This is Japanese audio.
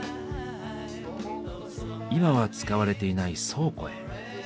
今は使われていない倉庫へ。